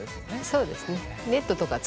そうですね。